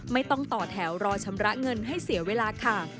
ไม่ต้องต่อแถวรอชำระเงินให้เสียเวลาค่ะ